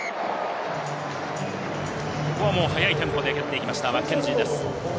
ここは早いテンポで蹴っていきました、マッケンジーです。